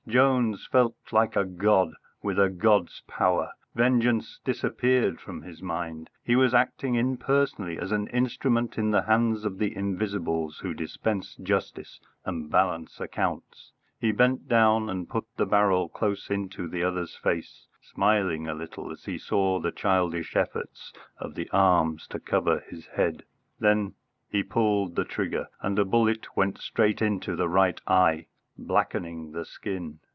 Jones felt like a god, with a god's power. Vengeance disappeared from his mind. He was acting impersonally as an instrument in the hands of the Invisibles who dispense justice and balance accounts. He bent down and put the barrel close into the other's face, smiling a little as he saw the childish efforts of the arms to cover his head. Then he pulled the trigger, and a bullet went straight into the right eye, blackening the skin.